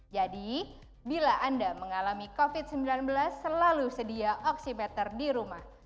jadi bila anda mengalami covid sembilan belas selalu sedia oksimeter di rumah